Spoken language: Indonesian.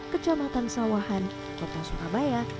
kecamatan sawahan kota surabaya